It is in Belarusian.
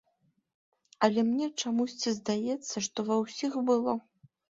Але мне чамусьці здаецца, што ва ўсіх было.